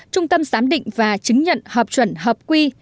trung tâm giám định và chứng nhận hợp chuẩn hợp quy